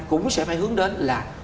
cũng sẽ phải hướng đến là